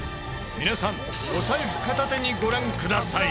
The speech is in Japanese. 皆さんお財布片手にご覧ください！